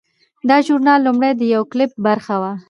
دا ژورنال لومړی د یو کلپ برخه وه.